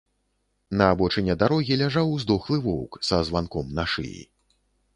На абочыне дарогі ляжаў здохлы воўк са званком на шыі.